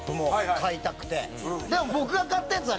でも僕が買ったやつはね